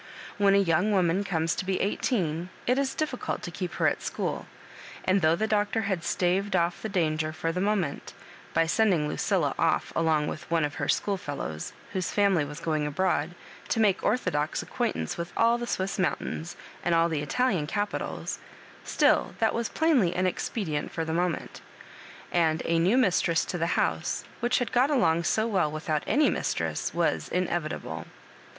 When a young woman Digitized by VjOOQIC HXSS MABJQBIBAIiiXa oomes to be eighteen it is difficolt to keep her at school ; and though the Doctor bad staved off the danger for the moment, by sending Lucilla off along wit^ one of her school fellows, whose fieunily was going abroad, to make orthodox acquaint ance with all the Swiss mountains, and all the Italian capitals, still that was plainly an ex pedient for the moment ; and a new mistress to the house, which had got along so well without any mistress, was inevitable.